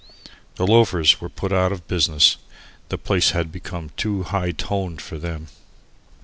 The loafers were put out of business. The place had become too "high toned" for them.